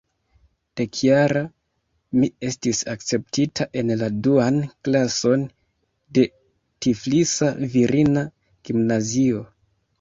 Dekjara mi estis akceptita en la duan klason de Tiflisa virina gimnazio.